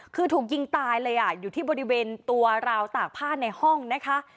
คือถูกยิงตายเลยอ่ะอยู่ที่บริเวณตัวราวตากผ้าในห้องนะคะ